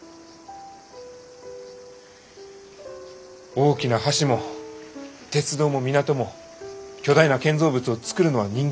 大きな橋も鉄道も港も巨大な建造物を造るのは人間の力や。